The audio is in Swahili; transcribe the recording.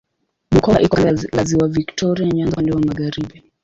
Bukoba iko kando la Ziwa Viktoria Nyanza upande wa magharibi.